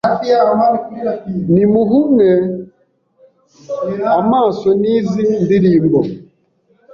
ntimuhumwe amaso n’izi ndirimbo,